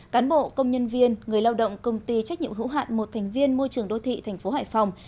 cán bộ công nhân viên người lao động công ty trách nhiệm hữu hạn một thành viên môi trường đô thị thành phố hải phòng